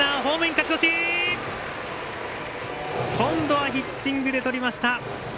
勝ち越し今度はヒッティングで取りました。